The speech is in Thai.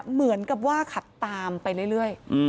เหมือนกับว่าขับตามไปเรื่อย